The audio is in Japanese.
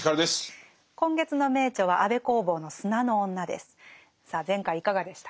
今月の名著は安部公房の「砂の女」です。